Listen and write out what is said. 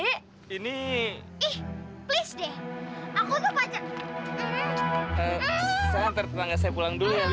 eh saya ntar tenangin saya pulang dulu ya lili